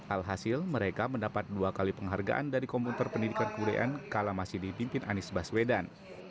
alhasil mereka mendapat dua kali penghargaan dari komputer pendidikan kebudayaan kalau masih dipimpin anies baswedan